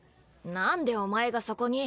なんでお前がそこに？